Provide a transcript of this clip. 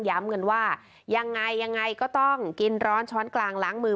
ย้ำกันว่ายังไงยังไงก็ต้องกินร้อนช้อนกลางล้างมือ